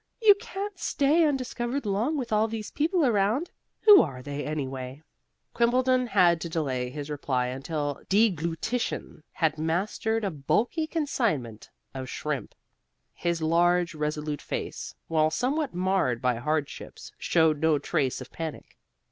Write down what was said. You can't stay undiscovered long with all those people around. Who are they, anyway?" Quimbleton had to delay his reply until deglutition had mastered a bulky consignment of shrimp. His large, resolute face, while somewhat marred by hardships, showed no trace of panic.